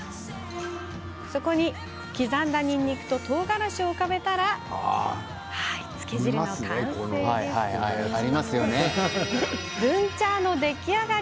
そこに、刻んだにんにくととうがらしを浮かべたらつけ汁の出来上がり。